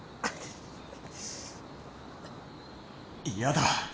いやだ。